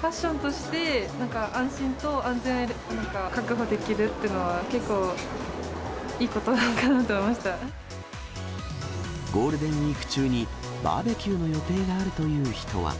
ファッションとしてなんか、安心と安全を確保できるっていうのは結構いいことなのかなと思いゴールデンウィーク中に、バーベキューの予定があるという人は。